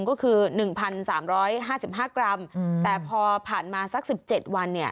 ก็คือ๑๓๕๕กรัมแต่พอผ่านมาสัก๑๗วันเนี่ย